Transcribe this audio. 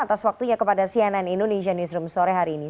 atas waktunya kepada cnn indonesia newsroom sore hari ini